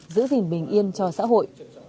giữ gìn bình yên cho xã hội